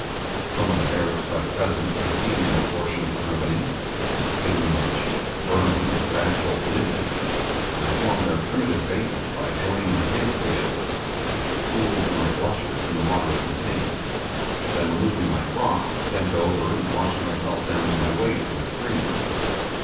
Somewhat embarrassed by the presence of the female portion of the company, and feeling my cheeks burning with bashful timidity, I formed a primitive basin by joining my hands together, and cooled my blushes in the water it contained; then removing my frock, bent over and washed myself down to my waist in the stream.